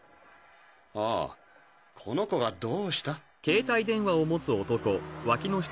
ああこの子がどうした？